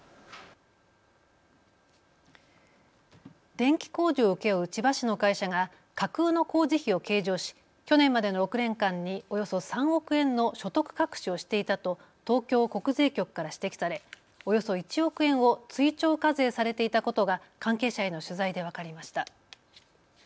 電気工事を請け負う千葉市の会社が架空の工事費を計上し去年までの６年間におよそ３億円の所得隠しをしていたと東京国税局から指摘されおよそ１億円を追徴課税されていたことが関係者への取材で分かりました。